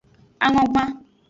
Angogban.